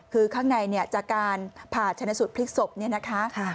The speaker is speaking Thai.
คือข้างในเนี่ยจากการผ่าชนะสูตรพลิกศพเนี่ยนะคะ